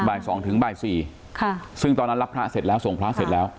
บ่าย๒ถึงบ่ายสี่ค่ะซึ่งตอนนั้นรับพระเสร็จแล้วส่งพระเสร็จแล้ว